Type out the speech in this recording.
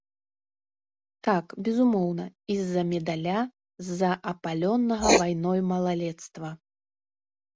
Так, безумоўна, і з-за медаля, з-за апаленага вайной малалецтва.